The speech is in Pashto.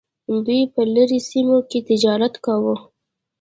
دوی په لرې سیمو کې تجارت کاوه.